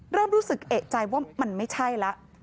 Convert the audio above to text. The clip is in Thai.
เริ่มรู้สึกเอกใจว่ามันไม่ใช่แล้ว